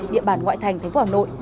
địa bàn ngoại thành thành phố hà nội